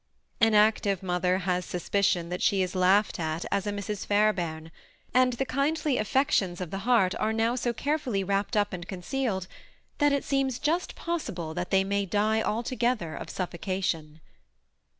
An active mother has a suspicion that she is laughed at as a Mrs. Fairbaim ; and the kindly aflbctions of the heart are now so carefully wrapped up and concealed, that it seems just possible that they may die altogether of suf focation.